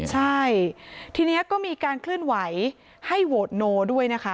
ใช่ทีนี้ก็มีการเคลื่อนไหวให้โหวตโนด้วยนะคะ